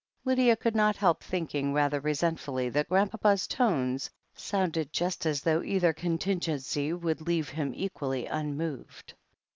Lydia could not help thinking rather resentfully that Grandpapa's tones sounded just as though either con tingency would leave him equally unmov|d.